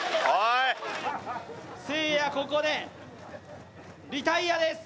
せいやここでリタイアです。